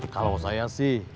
kalau saya sih